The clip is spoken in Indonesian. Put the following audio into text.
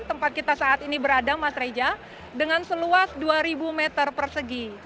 tempat kita saat ini berada mas reja dengan seluas dua ribu meter persegi